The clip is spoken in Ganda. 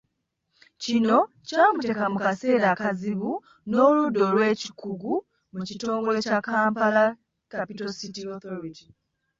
Kino kyamuteeka mu kaseera akazibu n’oludda olw’ekikugu mu kitongole kya Kampala Capital City Authority .